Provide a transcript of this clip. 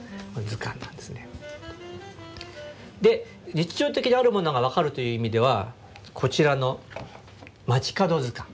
日常的にあるものが分かるという意味ではこちらの「街角図鑑」。